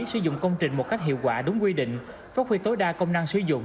sử dụng công trình một cách hiệu quả đúng quy định phát huy tối đa công năng sử dụng